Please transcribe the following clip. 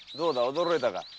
驚いたか？〕